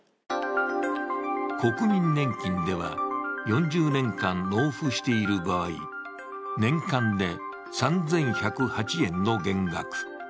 国民年金では４０年間納付している場合、年間で３１０８円の減額。